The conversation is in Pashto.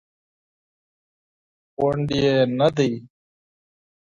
غونډ یې نه دی.